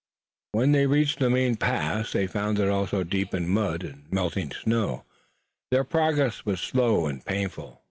When they reached the main pass they found it also deep in mud and melting snow, and their progress was slow and painful.